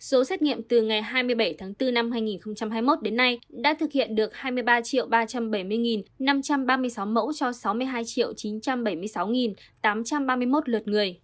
số xét nghiệm từ ngày hai mươi bảy tháng bốn năm hai nghìn hai mươi một đến nay đã thực hiện được hai mươi ba ba trăm bảy mươi năm trăm ba mươi sáu mẫu cho sáu mươi hai chín trăm bảy mươi sáu tám trăm ba mươi một lượt người